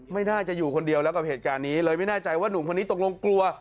ไม่น่าจะอยู่คนเดียวแล้วกับเหตุการณ์นี้เลยไม่แน่ใจว่าหนุ่มคนนี้ตกลงกลัว